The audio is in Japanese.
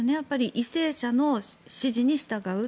為政者の指示に従う。